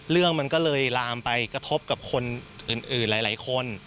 เรื่องมันก็เลยลามไปกระทบกับคนอื่นหลายคน